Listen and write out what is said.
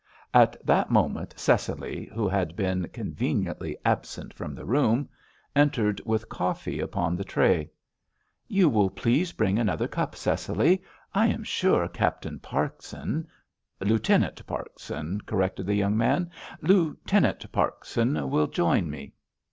At that moment Cecily, who had been conveniently absent from the room, entered with coffee upon the tray. "You will please bring another cup, Cecily. I am sure Captain Parkson——" "Lieutenant Parkson," corrected the young man. "Lieutenant Parkson will join me."